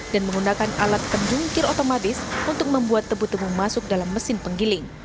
dan menggunakan alat kejungkir otomatis untuk membuat tebu tebu masuk dalam mesin penggiling